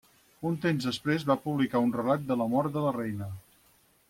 Un temps després va publicar un relat de la mort de la reina.